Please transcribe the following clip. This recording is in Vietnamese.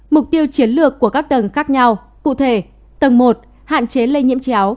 mục tiêu chiến lược của các tầng khác nhau cụ thể tầng một hạn chế lây nhiễm chéo